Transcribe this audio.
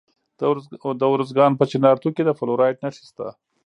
د ارزګان په چنارتو کې د فلورایټ نښې شته.